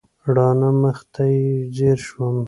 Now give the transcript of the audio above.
راڼه مخ ته یې ځېر شوم.